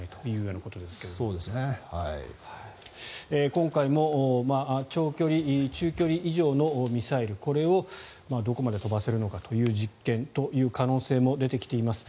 今回も長距離中距離以上のミサイルこれをどこまで飛ばせるのかという実験という可能性も出てきています。